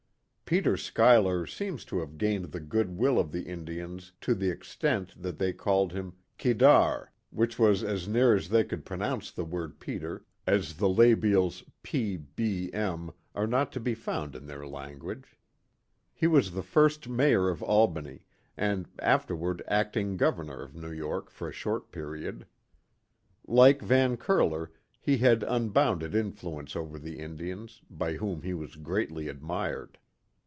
Peter Schuyler seems to have gained the good will of the Indians to the extent that they called him Quiddar," which was as near as they could pronounce the word Peter, as the labials /, b^ lUy are not to be found in their language. He was the first mayor of Albany, and afterward acting governor of New York for a short period. Like Van Curler, he had unbounded influence over the Indians, by whom he was greatly admired.